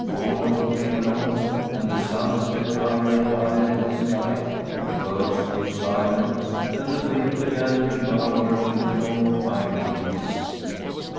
Forenoon came along, and the sun stepped higher and higher in the sky. The birds grew silent, and the wind began to murmur in the long pine needles.